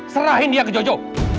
serahin dia ke jojo